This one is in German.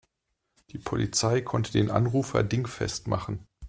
Die Polizei konnte den Anrufer dingfest machen.